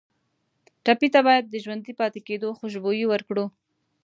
ټپي ته باید د ژوندي پاتې کېدو خوشبويي ورکړو.